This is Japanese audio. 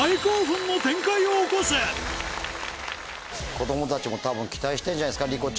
子供たちも多分期待してるんじゃないですか？